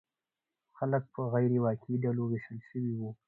خلک په غیر واقعي ډلو ویشل شوي وو.